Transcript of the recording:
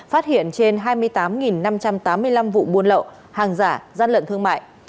phát hiện trên hai mươi tám năm trăm tám mươi năm vụ buôn lậu hàng giả gian lận thương mại